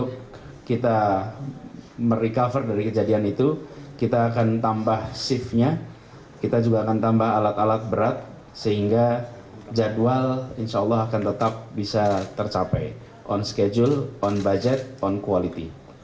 kalla menegaskan segala persoalan yang masih menjadi kekurangan dalam penyelenggaraan akan segera diselesaikan